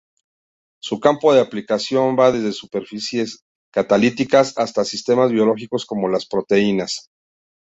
Su campo de aplicación va desde superficies catalíticas hasta sistemas biológicos como las proteínas.